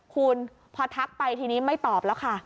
คุณพอทักไปทีนี้ไม่ตอบแล้วค่ะ